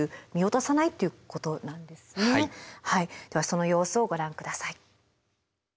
その様子をご覧下さい。